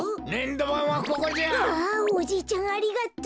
あおじいちゃんありがとう。